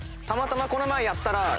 たまたまこの前やったら。